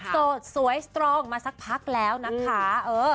โสดสวยสตรองมาสักพักแล้วนะคะ